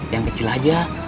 yang kecil aja